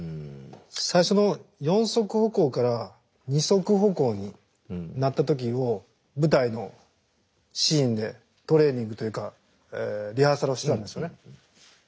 最初の４足歩行から２足歩行になった時を舞台のシーンでトレーニングというかリハーサルをしてたんですよね。